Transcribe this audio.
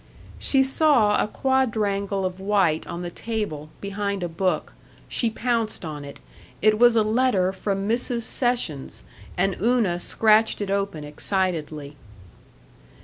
She saw a quadrangle of white on the table, behind a book. She pounced on it. It was a letter from Mrs. Sessions, and Una scratched it open excitedly.